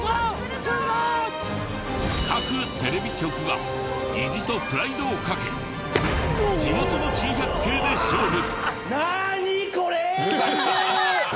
各テレビ局が意地とプライドをかけ地元の珍百景で勝負！